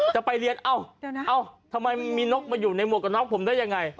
จะไปเรียนเอ้าทำไมมันมีนกมาอยู่ในหมวกกับน็อกผมได้ยังไง